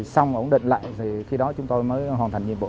xong ổn định lại thì khi đó chúng tôi mới hoàn thành nhiệm vụ